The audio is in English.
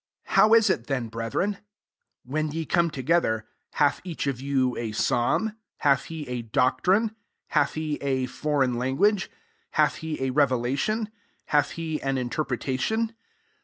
26 How is it then, brethren ? when ye come together, hath each of you a psalm, hath he a doctrine, hath he a foreign language, hath he a revelation, hath he an interpretation